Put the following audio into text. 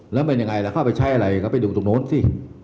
แล้วเป็นยังไงล่ะเขาเอาไปใช้อะไรก็ไปดูตรงโน้นสิ